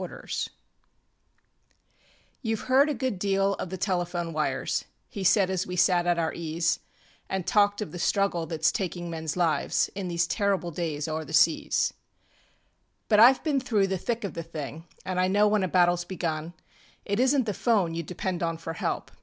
ŌĆ£YouŌĆÖve heard a good deal of the telephone wires, ŌĆØ He said as we sat at our ease, And talked of the struggle thatŌĆÖs taking menŌĆÖs lives In these terrible days oŌĆÖer the seas, ŌĆ£But IŌĆÖve been through the thick of the thing And I know when a battleŌĆÖs begun It isnŌĆÖt the ŌĆÖphone you depend on for help.